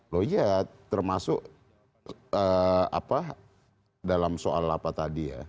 loh iya termasuk apa dalam soal apa tadi ya